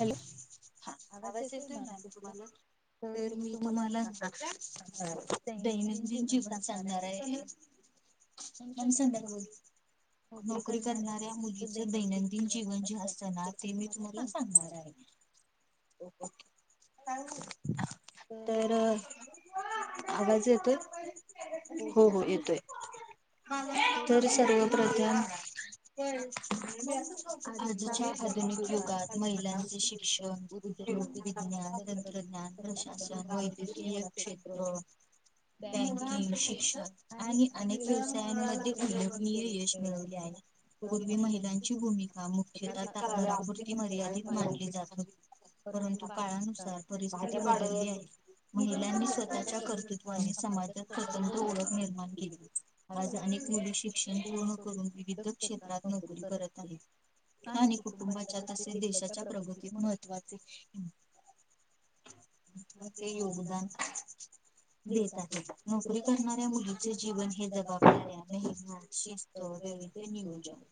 Hello हा आवाज येतोय मॅम तुम्हाला. तर मी तुम्हाला दैनंदिन जीवन सांगणार आहे. मॅम संद्या काय बोलु? नोकरी करणाऱ्या मुलीच दैनंदिन जीवन जे असतं ना ते मी तुम्हाला सांग. - काय माहित. तर आवाज येतोय हो हो येतोय. तर सर्वप्रथम आजच्या आधुनिक युगात. महिलांचे शिक्षण, उद्योग, विज्ञान तंत्रज्ञान, प्रशासन वैद्यकीय. क्षेत्र बँकिंग, शिक्षण आणि अनेक व्यवसायांमध्ये उलेखनीय यश मिळवले आहे. पूर्वी महिला भुुमिका मुख्याता मर्याद मानली जात परंतु काळानुसार परिस्थिती वाढली आहे. महिलांनी स्वतःच्या कर्तृत्वाने समाजात स्वतंत ओळख निर्माण केली आज अनेक. मुली शिक्षण पूर्ण करून विविध क्षेत्रात नोकरी. आणि कुटुंबाच्या असे देशाच्या प्रगुतीत महत्त्वाचे. - महत्वाचे योगदान. देत आहेत नोकरी करणाऱ्या मुलीचे जीवन हे जबाबदाऱ्या मेहनत, शिस्त, नियोजन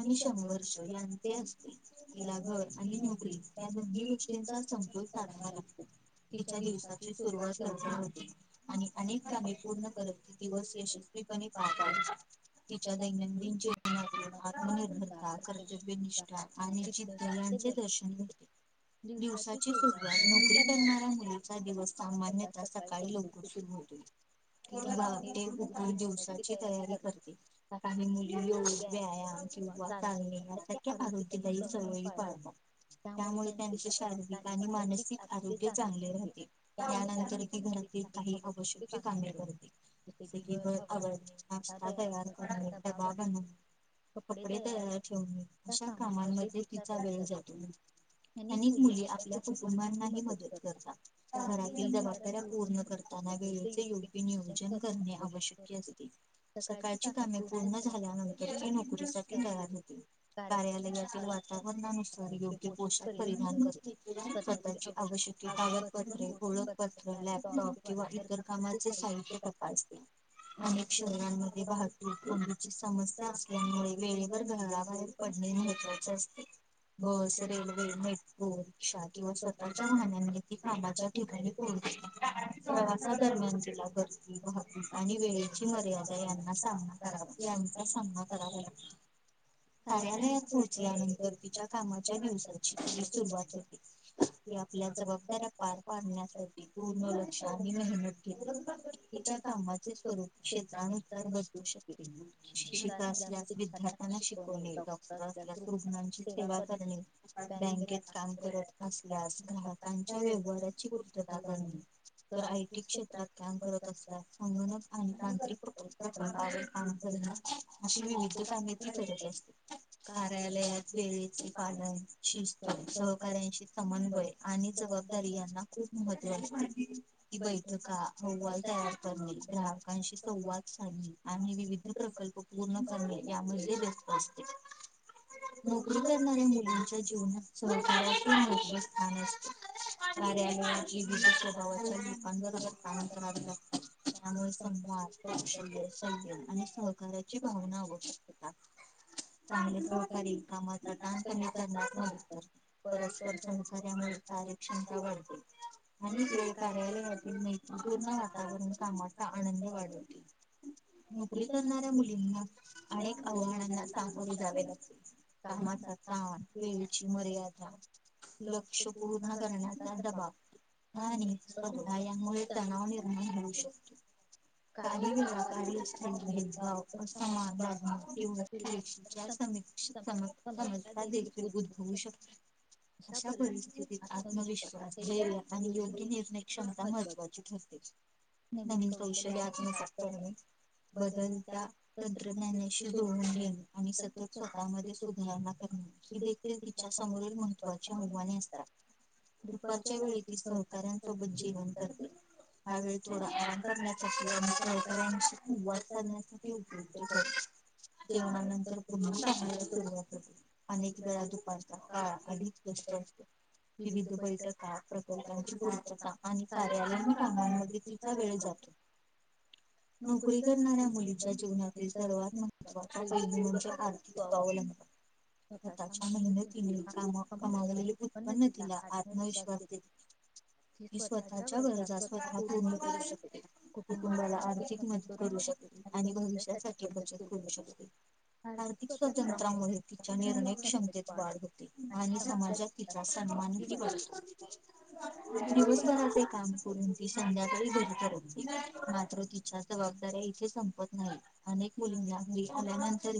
आणि संघर्ष यांचे असते. तिला घर आणि नोकरी या दोन्ही गोष्टींचा समतोल साधताना. ह. तिच्या दिवसाची सुरूवात ठरली होती आणि अनेक कामे पूर्ण करत दिवस यशस्वी. दैनंदिन जीवनात, आत्मनिर्भरता, कर्तव्यनष्ठा आणि [inaudible] दिवसाची सुरवात. नोकरी करणाऱ्या मुलीचा दिवस सामान्यत सकाळी लवकर सुरू होतोय. पहाटे उठून दिवसाची तयारी करते. काही मुली योग, व्यायाम किंवा चालणे यासारख्या आरोग्य. जवळ पाळतात त्यामुळे त्यांचे शारीरिक आणि मानसिक आरोग्य चांगले राहते त्यानंतर ते घरातील काही आवश्यक कामे करते. नाष्ट तयार करने भाग कपडे तयार ठेवने अशा कामा मध्ये तिच वेळ जातो अनेक मुली आपल्या कुटुंबना घरातील जबाबदाऱ्या पुर्ण करताना वेळेचे नियोजन करते. अश्यक्य असते. सकाळची कामे पूर्ण झाल्यानंतर ते नोकरीसाठी तयार होते कार्या वातावरणा नुसार योग्य पोशक परिधान करते स्वतःची आवड कागदपत्र, ओळखपत्र, लॅपटॉप किंवा इतर कामाचे साहित्य तपासते. अनेक शहरांमध्ये वाहतूक कोंडीची समस्या असल्यामुळे वेळेवर घराबाहेर पडणे. अस बस, रेल्वे, मेट्रो, रिक्षा किंवा स्वतः न ते कामाच्या ठिकाणी पोहोचते प्रवासा दरम्यान तिला गर्दी. आणि वेळेची मर्यादा यांना सामना करा यांचा सामना करावा लागतो. कार्यालया या ननंतर तिच्या कामाच्या दिवसाची सुरवात होते. आपल्या जबाबदाऱ्या पार पाडण्यासाठी पूर्ण लक्ष आणि मेहनत घेते त्याच्यात. कामाचे स्वरूप क्षेत्रानुसार बदलू शकते शिक्षिक असल्यास विद्यार्थ्यांना. कोणी डॉक्टर असल्यास रुग्णांची सेवा करणे, बँकेत काम करत असल्यास. ग्राहकांच्या व्यवहाराची पूर्तता करणे. तर आयटी क्षेत्रात काम करत असल्या संगणक आणि तांत्रिक प्रकल्पा का अशी विविध पाण्यातलीरत असते कार्यालयात वेळेच पालन शिस्त सहकार्याशी सबडतीत ब आणि जबाबदारी यांना खूप महत् की बैठका अहवाल तयार ग्राहकांशी संवाद साधणे आणि विविध प्रकल्प पूर्ण करणे यामध्ये व्यस्त नोकरी करणाऱ्या मुलांच्या जीवनात सहकार अस कार्याल विश पंरार स्थनांतरा [inaudible] त्यामुळे संवाद [inaudible] क्षल सय आणि सहकार्याची भावना आवश्यकता चांगलेच का ज बस् [inaudible] मुळे कार्य क्षमता वाढते आणिकडे कार्यालयाातील मैत्रीपूर्ण वातावरण कामाचा आनंद वाढवते नोकरी करणाऱ्या मुलींना अनेक आव्हानांना सामोर जावे लागते कामाचा ताण वेळीची मर्यादा लक्ष पूर्ण करण्याचा दबाब हा नाही बय मुळे तणाव एक तणाव निर्माण म्हू शकत काही अस भेदभाव असमान लाण किंवारी [inaudible] म समजता देखील उद्भवू शकत अशा परिस्थितीत आत्मविश्वास ैय आणि योग्य निर्णय क्षमता महत्त्वाची ठरते कौशल्य आ नाही सक्तय नाही बदल त्या तंत्रज्ञानाशी जोडून अनुई सतत बदलण्यार त्यावेनिलसुधारणा करण ही देखील तिच्या समोरील महत्त्वाची आव्हाने असतात दुपारच्या वेळी ती सहकाऱ्यांसोबत जेवन करते हा वेळी थोडा आराम करण्यासाठी आणि साजवरकत्वि करण्यासाठी उपलबतर जेवणानंतर पुन्हाांयला सुरवात होते अनेक वेळा दुपारच्या काळखली अश विविध बैठका प्रकल्पांची पूर्तता आणि कार्यालय कामांमध्ये तिचा वेळ जातो [unintelligible] नोकरी करणाऱ्या मुलीच्या जीवनातील सर्वात महत्वाचा पैली म्हणजे आ अवलंब स्वतःच्या महिन्या तन कमावलेली उत्पन्न तिला आत्मविश्वास दि ही स्वतःच्या गरजा स्वतः पूर्ण करू शकते कुटुंबाला आर्थिक मदत करू शकते आणि भविष्यासाठी बचत करू शकते हार्दिक स्ातंत्रामध्ये तिच्या निर्णय क्षमतेत वाढ होते आणि समाजात तिच्या सन्मानती वात तवजभराचे काम करून ्याकाळी मात्र तिच्या जबादाऱ्या इथे संपत नाही अक मु ल्यानंतर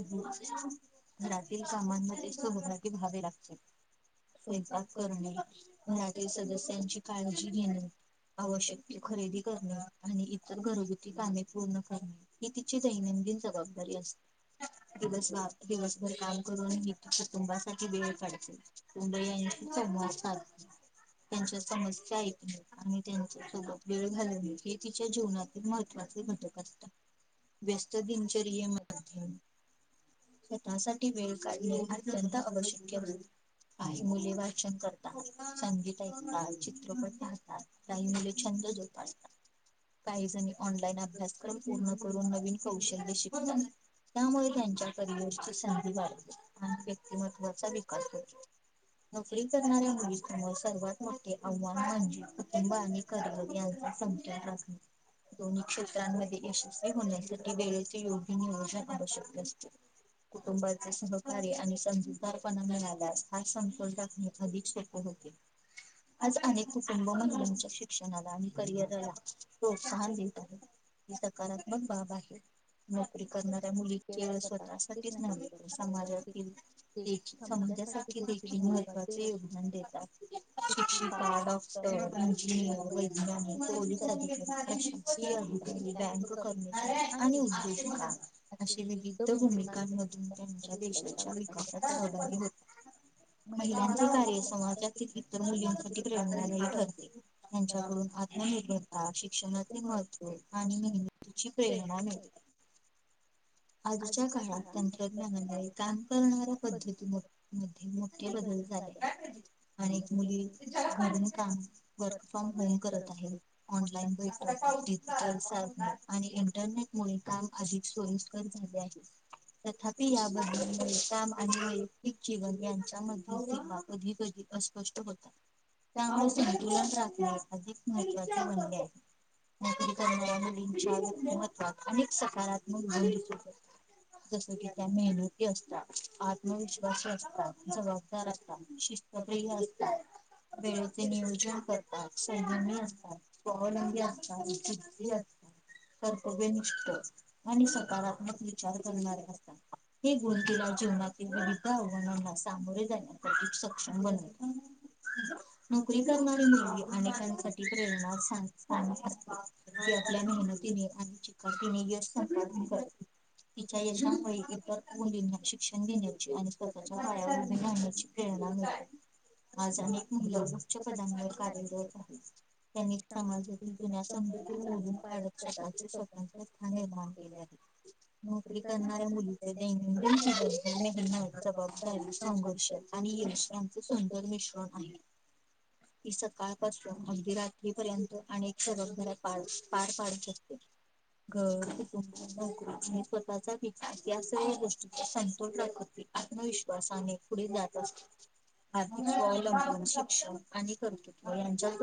घरातील कामांमध्ये सहभाग्य व्हावे लागते स्वयंपाक करणे घराातील सदस्यांची काळजी घेणे आवश्यक खरेदी करणं आणि इतर घरगुती काम पूर्ण करणे ही तिची दैनंदिन जबाबदारी असते ह दिवस वा दिवसभर काम करून कुटुंबासाठी भेळ मुंबई यांशी समवार चालत त्यांच्या समस्या ऐकणे आणि त्यांच्या सोबत वेळ घालणे हे तिच्या जीवनातील महत्त्वा ट अस व्यस्त दिनचर्य म स् त्यासाठी वेळ काढणे हपर्यंत आवश्यक ह काही मुले वाचन करतात संगीत ऐकतात चित्रपट कातात काही मुले छंद पाय काही जणी ऑनलाईन अभ्यासक्रम पूर्ण करून नन कौश शतात त्यामुळे त्यांच्या करिअर ची संधी वाढली आणि व्यक्तिमत्वाचा विकास होो. नोकरी करणा्या मु तुम्हाला सर्वात मोठे आव्हान म्हणजे कुटुंब आणि करअर यां. सत दोन्ही क्षेत्रांमध्ये यशस्वी होण्यासाठी वेळेचे योग्य नियोजन आू शकते. कुटुंबाचे सहकार्य आणि सपणा हा संतल अधिक क्षेत होते. आज अनेक कुटुंब महिलांच्या शिक्षणाला आणि करिअरला प्रोत्साहन देत आहे. ही सकारात्मक बाब आहे नोकरी करणाऱ्या मुली केळ स्वतःसाठीच नव्हे तर समाजातीलख. समाजासाठी देील महत्वाचे योगदान देतात शिक्षिका डॉक्टर व् पस अिक अिकारी ब कर्. विध भूमिकांमधून त्यांच्या देशाच्या विकास. हो. महिलांच कार्य समाजातील इतर मुलींसाठी प्रेरणालय ठरते त्यांच्याकडून आत्मनिर्भरता शिक्षणाचे महत्त्व आणि मेहनतीची प्रेरणा मिळते. [inaudible] आजच्या काळात तंत्रज्ञाना काम करणा द्धती म मोठे बदल झाले. आणि मुली घरून काम वर्क फ्रॉम होम करत आहे ऑनलाईन व डिजिटल साध आणि इंटरनेट मु काम अधिक सोयी. तथापि या ब आणि वैयक्तिक जीवन यांच्यामध्ये तेव कधीधी अस्पष्ट होतात. त्यामुळे संतुलन राखणे अज महत्त्वाचे बनले आहे. नोकरी कर विचारातमहत्ात अनेक सकारात्मक भ जस की त्या मेहनती असतात. अविश्वास असतात जबाबदार असतात शिस्तप्रिय असतात. वेळेचे नियोजन करतात सौजन्य असतात स्वावलंबी असतात असतात. स्वर्प बेनच मणीसप विचार करणार हे गुण तुला जीवना ते विविध आव्हानांना सामोरे जाण्यासाठी सक्षम बनवत. ह. नोकरी करणारी मुलगी अनेकांसाठी प्रेरणा अस की आपल्या मेहनत आणि चिकाटीने तिच्या यशामुळे तर मुलींना शिक्षण आणि स्वतःच्या पाया घेवण्याची प्रेरणा घ आज अनेक मु उच पदां कार्यरत आहेत त्यांनी समाजातील जुन ून काढतचे स्वतंत्र स्थान निर्माण केले आहे. नोकरी करणाऱ्या मुलीचे दैनंदिन मेहनत जबाबदारी संघर्षात आणि मिश्रांच सुंदर मिश्रण आहे. की सकाळपासून अगदी रात्रीपर्यंत आणिक सगग झारा पार पाडत असते. घर कुटुंब नोकरी आणि स्वतःचा विकास इति गोष्टी प्रकृ आत्मविश्वासाने पुढे जात असते. आथिक स्वावलंबन शिक्षण आणि कर्तृत्व यांच्या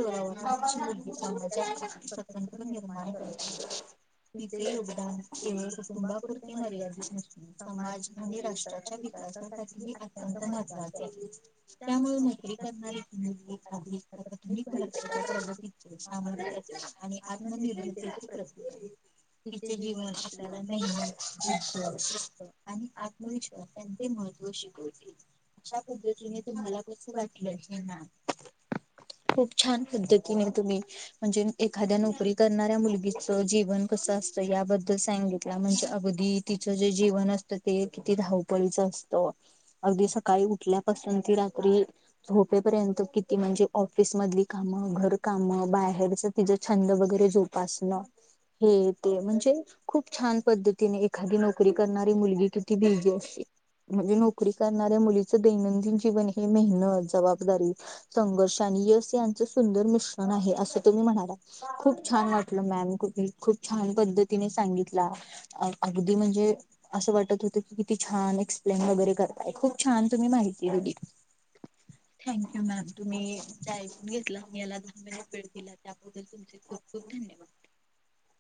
समाजा स्वतंत्र निर्माण करत तिचे योगदान के कुटुंबापुरती मर्यादित नसते समाज आणि राष्ट्राच्या विकासासाठी अत्यंत महत्वाचे त्यामुळे नोकरी करणारी आणि आत्मनिर्भ तिच्या जीव म आपल्याला नेहन ज आणि आत्मविश्वास त्यांचे महत्त्व शिकवतील. अशा पद्धतीने तुम्हाला कसं वाटलं [unintelligible] खूप छान पद्धतीने तुम्ही म्हणजे एखाद्या नोकरी करणाऱ्या मुलगीचं जीवन कसं असतं याबद्दल सांगि म्हणजे अगदी तिच जे जीवन असतं ते किती धावपळीचं असतं अगदी सकाळी उठल्यापासून ते रात्री झोपेपर्यंत किती म्हणजे ऑफिस मधली कामं घरकामं म बाहेरचं तिज छंद वगैरे जोपासणं, हे ते म्हणजे खुप छान पद्धतीने एखादी नोकरी करणारी मुलगी किती बीजी अशी म्हणजे नोकरी करणाऱ्या मुलीचं दैनंदिन जीवन हे मेहनत जबाबदारी, संघर्ष यश यांचं सुंदर मिश्रण आहे असं तुम्ही म्हणालात खूप छान वाटलं मॅम, खूप छान पद्धतीने सांगित ला अगदी म्हणजे, असं वाटत होतं की किती छान एक्प्लेन वगैरे कर खुप छा छान तुम्ही माहिती दिली [unintelligible] थँकू मॅम, तुम्ही जे ऐकून घेतला याला दहा मिनिट वेळ दिला त्याबद्दल तुमचे खूप खूप धन्य [unintelligible]